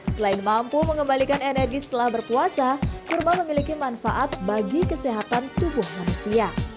selain mampu mengembalikan energi setelah berpuasa kurma memiliki manfaat bagi kesehatan tubuh manusia